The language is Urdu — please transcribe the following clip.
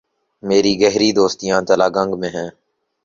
میری گہری دوستیاں تلہ گنگ میں ہیں۔